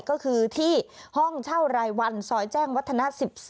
ก็คือที่ห้องเช่ารายวันซอยแจ้งวัฒนะ๑๔